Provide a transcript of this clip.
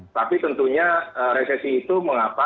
tapi tentunya resesi itu mengapa